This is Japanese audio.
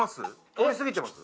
通り過ぎてます？